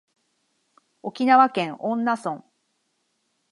沖縄県恩納村